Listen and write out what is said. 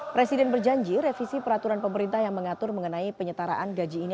presiden berjanji revisi peraturan pemerintah yang mengatur mengenai penyetaraan gaji ini